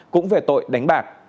cũng về tội đánh bạc